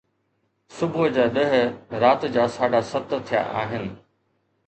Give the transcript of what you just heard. صبح جا ڏهه رات جا ساڍا ست ٿيا آهن